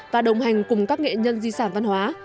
và đồng hành cùng các nghệ nhân di sản văn hóa